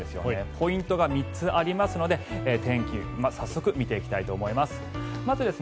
ポイントが３つありますので天気、早速見ていきたいと思います。